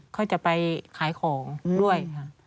เขาจะไปขายของด้วยค่ะ